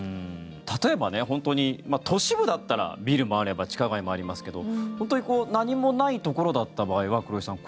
例えば、都市部だったらビルもあれば地下街もありますけど本当に何もないところだった場合は黒井さん